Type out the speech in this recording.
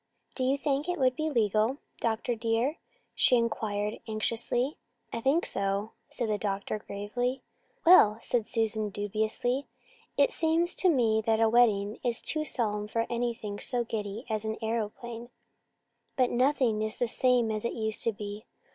Do you think it would be legal, doctor dear?" she inquired anxiously. "I think so," said the doctor gravely. "Well," said Susan dubiously, "it seems to me that a wedding is too solemn for anything so giddy as an aeroplane. But nothing is the same as it used to be.